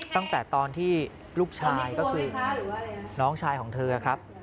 ตั้งแต่ตอนที่ลูกชายก็คือน้องชายของเธอครับ